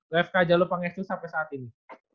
wfk jalur pangestu sampai saat ini